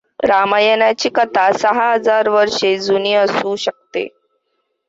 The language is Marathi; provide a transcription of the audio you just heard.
रामायणाची कथा सहा हजार वर्षे जुनी असू शकते.